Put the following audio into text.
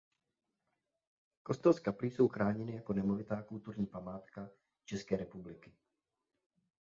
Kostel s kaplí jsou chráněny jako nemovitá Kulturní památka České republiky.